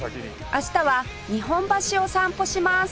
明日は日本橋を散歩します